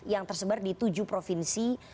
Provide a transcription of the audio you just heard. yang tersebar di tujuh provinsi